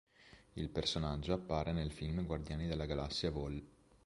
Il personaggio appare nel film "Guardiani della Galassia Vol.